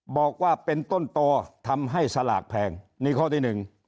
บอกว่าเป็นต้นต่อทำให้สลากแพงนี่ข้อที่หนึ่ง